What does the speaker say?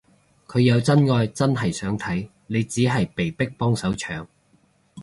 佢有真愛真係想睇，你只係被逼幫手搶